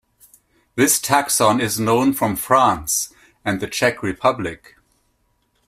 This taxon is known from France and the Czech Republic.